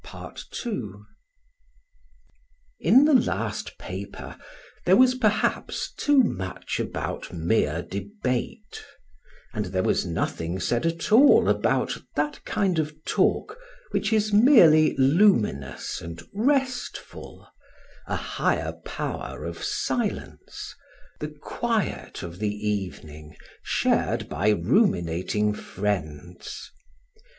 II In the last paper there was perhaps too much about mere debate; and there was nothing said at all about that kind of talk which is merely luminous and restful, a higher power of silence, the quiet of the evening shared by ruminating friends.